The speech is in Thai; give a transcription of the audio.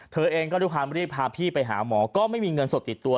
เธอเองก็ด้วยความรีบพาพี่ไปหาหมอก็ไม่มีเงินสดติดตัว